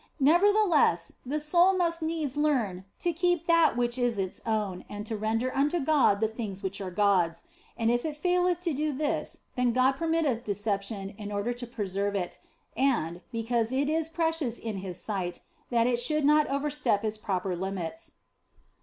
Nevertheless the soul must needs learn to keep that which is its own and to render unto God the things which are God s ; and if it faileth to do this then God permitteth deception in order to pre serve it, and, because it is precious in His sight, that it should not overstep its proper limits.